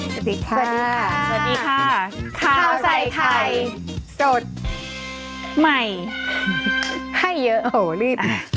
สวัสดีค่ะสวัสดีค่ะสวัสดีค่ะข้าวใส่ไข่สดใหม่ให้เยอะโหรีบ